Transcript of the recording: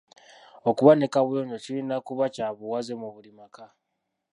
Okuba ne kaabuyonjo kirina kuba kya buwaze mu buli maka.